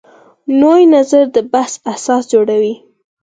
نوی نظر د بحث اساس جوړوي